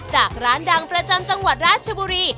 จากร้านดังประจำจังหวัดราชบุรี